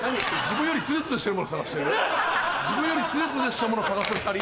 自分よりツルツルしたもの探す２人。